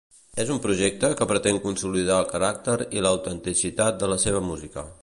És un projecte que pretén consolidar el caràcter i l'autenticitat de la seva música.